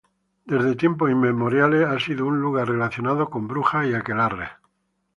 Desde tiempos inmemoriales ha sido un lugar relacionado con brujas y aquelarres.